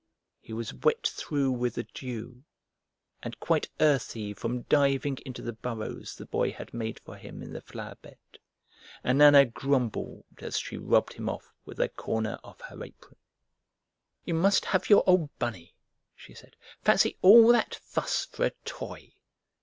He was wet through with the dew and quite earthy from diving into the burrows the Boy had made for him in the flower bed, and Nana grumbled as she rubbed him off with a corner of her apron. Spring Time "You must have your old Bunny!" she said. "Fancy all that fuss for a toy!"